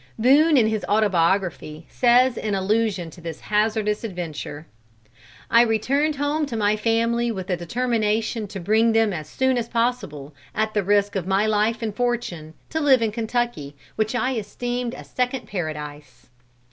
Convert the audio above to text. Boone, in his autobiography, says in allusion to this hazardous adventure: "I returned home to my family with a determination to bring them as soon as possible, at the risk of my life and fortune, to live in Kentucky, which I esteemed a second paradise."